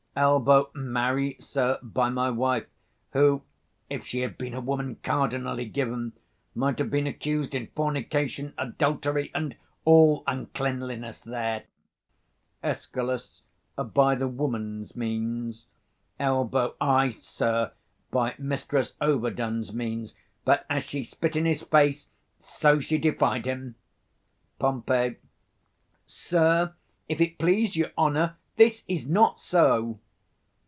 75 Elb. Marry, sir, by my wife; who, if she had been a woman cardinally given, might have been accused in fornication, adultery, and all uncleanliness there. Escal. By the woman's means? Elb. Ay, sir, by Mistress Overdone's means: but as she 80 spit in his face, so she defied him. Pom. Sir, if it please your honour, this is not so.